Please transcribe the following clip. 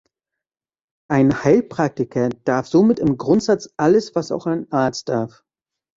Ein Heilpraktiker darf somit im Grundsatz alles, was auch ein Arzt darf.